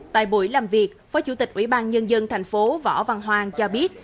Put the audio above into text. tại buổi làm việc phó chủ tịch ủy ban nhân dân thành phố võ văn hoàng cho biết